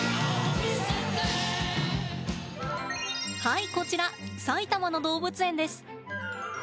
はい、こちら埼玉の動物園です。